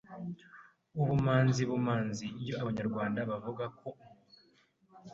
Ubumanzi b u m a n zi Iyo Abanyarwanda bavuga ko umuntu